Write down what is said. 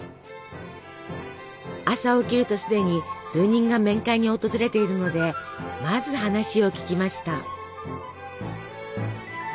朝起きるとすでに数人が面会に訪れているのでまず話を聞きました。